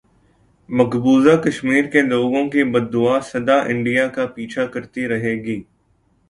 مقبوضہ کشمیر کے لوگوں کی بددعا سدا انڈیا کا پیچھا کرتی رہے گی